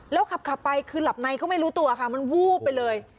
แล้วขับไปคือหลับในก็ไม่รู้ตัวค่ะมันวูบไปเลย